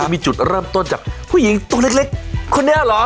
มีจุดเริ่มต้นจากผู้หญิงตัวเล็กคนนี้เหรอ